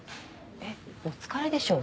えっお疲れでしょう？